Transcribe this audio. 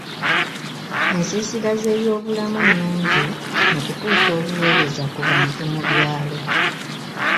Ensiisira z'ebyobulamu nungi mu kutuusa obuweereza ku bantu mu byalo.